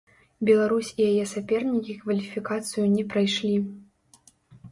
Беларусь і яе сапернікі кваліфікацыю не прайшлі.